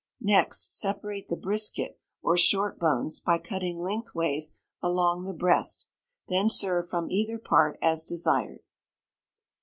Next separate the brisket, or short bones, by cutting lengthways along the breast. Then serve from either part as desired.